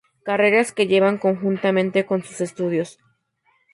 Carreras que lleva conjuntamente con sus estudios.